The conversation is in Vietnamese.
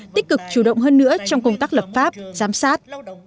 tích cực chủ động hơn nữa trong công tác lập pháp giám sát